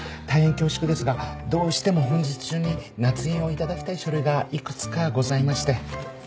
大変恐縮ですがどうしても本日中に捺印をいただきたい書類がいくつかございまして。